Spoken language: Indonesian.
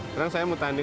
kadang saya mau tanding